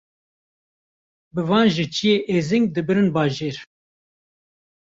Bi van ji çiyê êzing dibirin bajêr